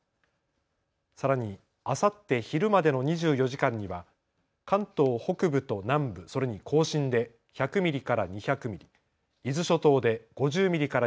さらにあさって昼までの２４時間には関東北部と南部、それに甲信で１００ミリから２００ミリ、伊豆諸島で５０ミリから